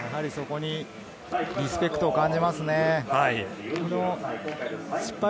リスペクトを感じますね。